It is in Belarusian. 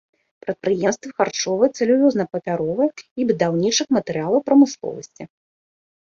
Прадпрыемствы харчовай, цэлюлозна-папяровай і будаўнічых матэрыялаў прамысловасці.